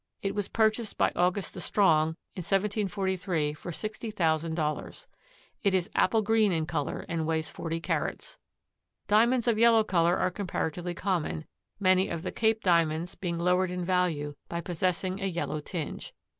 It was purchased by August the Strong in 1743 for sixty thousand dollars. It is apple green in color and weighs 40 carats. Diamonds of yellow color are comparatively common, many of the Cape Diamonds being lowered in value by possessing a yellow tinge.